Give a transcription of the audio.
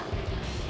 nggak ada apa apa